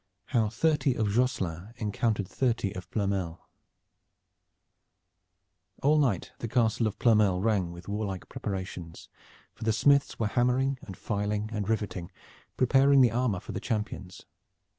HOW THIRTY OF JOSSELIN ENCOUNTERED THIRTY OF PLOERMEL All night the Castle of Ploermel rang with warlike preparations, for the smiths were hammering and filing and riveting, preparing the armor for the champions.